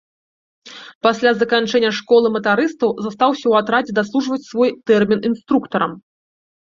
Пасля заканчэння школы матарыстаў застаўся ў атрадзе даслужваць свой тэрмін інструктарам.